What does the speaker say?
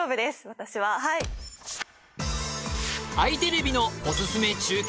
私ははいあいテレビのおすすめ中継